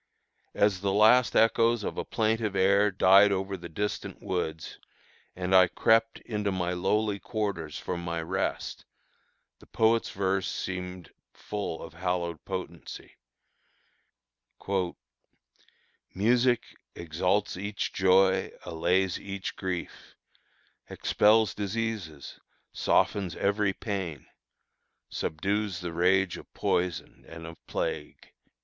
As the last echoes of a plaintive air died over the distant woods, and I crept into my lowly quarters for my rest, the poet's verse seemed full of hallowed potency: "Music exalts each joy, allays each grief, Expels diseases, softens every pain, Subdues the rage of poison and of plague."